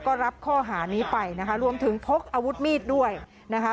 ก็รับข้อหานี้ไปนะคะรวมถึงพกอาวุธมีดด้วยนะคะ